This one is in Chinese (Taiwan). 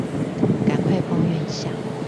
趕快抱怨一下